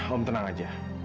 om tenang aja